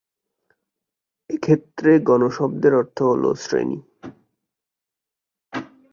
এক্ষেত্রে "গণ" শব্দের অর্থ হলো শ্রেণি।